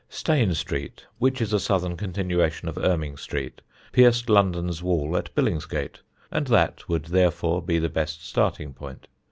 Stane Street, which is a southern continuation of Erming Street, pierced London's wall at Billingsgate, and that would therefore be the best starting point.